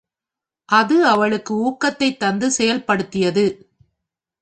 அது அவளுக்கு ஊக்கத்தைத் தந்தது செயல்படுத்தியது.